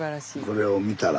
これを見たら。